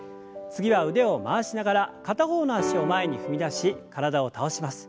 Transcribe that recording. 次は腕を回しながら片方の脚を前に踏み出し体を倒します。